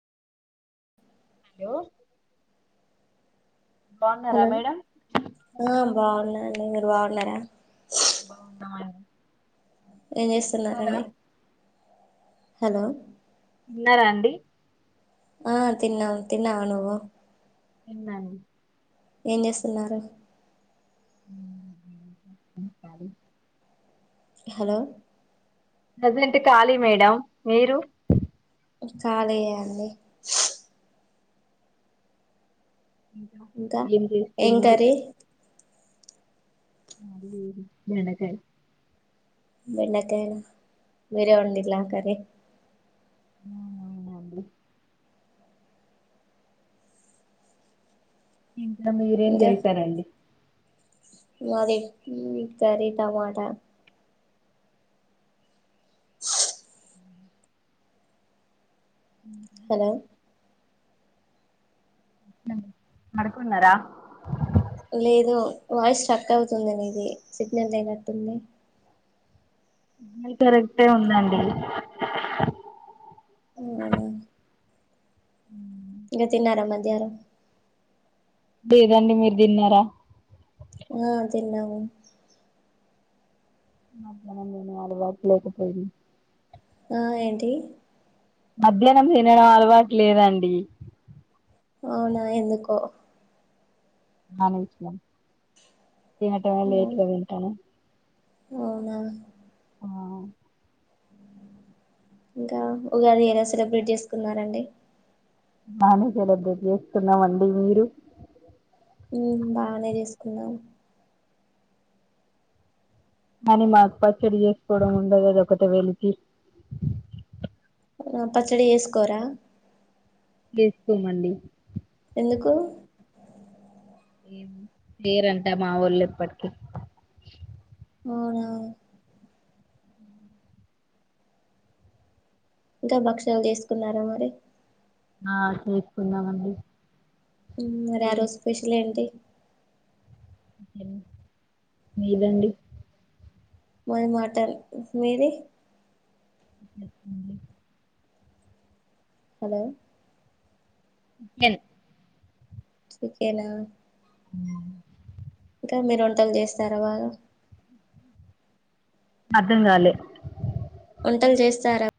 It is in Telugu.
హలో. బాగున్నారా హలో మేడం ఆహ్ బాగున్నానండి మీరు బాగున్నారా. బాగున్నాయ్. ఏం చేస్తున్నారండి హలో. తిన్నరా అండి. ఆహ్ తిన్నాం తిన్నవ నువ్వు. తిన్నాను. ఏం చేస్తున్నారు. [unintelligible] హలో. ప్రజెంట్ ఖాళీ మేడం మీరు. ఖాళీయె అండి. ఇంకా ఏం ఏం చేస్తున్నారు. కర్రీ అది వేరు బెండకయ్. బెండకాయా మీరే ఒండిలా ఆ కర్రీ. అవ్నవున్ అండి. ఇంకా మీరేం చేసారండి. అదే ఉమ్ కరీ టమాటా. హ్మ్. హలో. ఉమ్ మడుకున్నరా. లేదు వాయిస్ స్ట్రక్ అవ్తుంది మీది సిగ్నల్ లేనట్టుంది. [unintelligible] కరెక్టే ఉందండి. ఉహ్మ్. ఉమ్మ్. ఇంగ తిన్నార మధ్యాహ్నం. లేదండి మీరు తిన్నరా. ఆహ్ తిన్నాము. మధ్యాహ్నం తినే అలవాటులేకపోయింరి. ఆహ్ ఏంటీ. మధ్యాహ్నం తినడం అలవాట్లేదండి. ఔనా ఎందుకో. మానేసిన ఏందంటే లేట్గా తింటాను. ఔనా. ఆ ఇంకా ఉగాది ఎలా సెలబ్రేట్ చేసుకున్నారండి. [unintelligible] చేస్తున్నామండి మీరు. ఉమ్ బానే చేస్కుదాం. కానీ మాకు పచ్చడి చేసుకోవడం ఉండదు కదా ఒకటే వేలికి. ఆహ్ పచ్చడి చేస్కోరా. జేస్కోమండీ. ఎందుకు. ఏం చేయరంట మావొళ్ళు ఎప్పటికి. అవునా. ఇంకా భక్షలు చేసుకున్నారా మరి. ఆహ్ చేసుకుందామండి. ఉమ్ మరి ఆ రోజు స్పెషల్ ఏంటి. మీరండి. మది మటన్ మీది. [inaudible] హలో. ఎల్. చికెన్. మీరు వంటలు చేస్తారా బాగా. అర్ధంగాలే. వంటలు జెస్తారా.